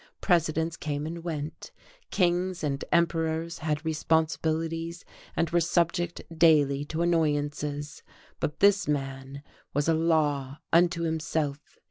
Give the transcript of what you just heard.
Presidents came and went, kings and emperors had responsibilities and were subject daily to annoyances, but this man was a law unto himself.